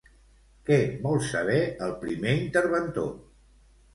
Què vol saber el primer interventor?